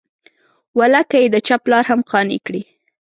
والله که یې د چا پلار هم قانع کړي.